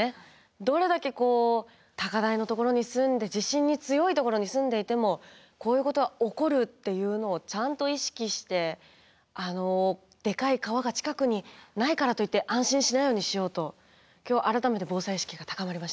どれだけこう高台のところに住んで地震に強いところに住んでいてもこういうことは起こるっていうのをちゃんと意識してでかい川が近くにないからといって安心しないようにしようと今日改めて防災意識が高まりました。